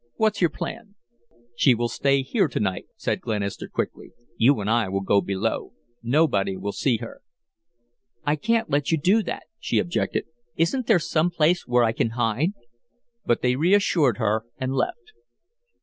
What's your plan?" "She will stay here to night," said Glenister quickly. "You and I will go below. Nobody will see her." "I can't let you do that," she objected. "Isn't there some place where I can hide?" But they reassured her and left.